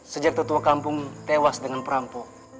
sejak tetua kampung tewas dengan perampok